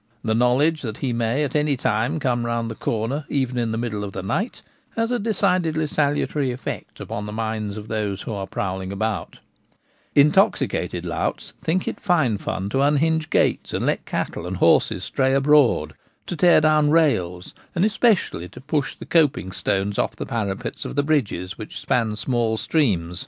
The knowledge that he may at any time come round the corner, even in the middle of the night, has a decidedly salutary effect upon the minds of those who are prowling about Intoxicated louts think it fine fun to unhinge gates, and let cattle and horses stray abroad, to tear down rails, and especially to push the coping stones off the parapets of the bridges which span small streams.